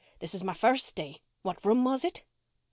This is my first day. What room was it?"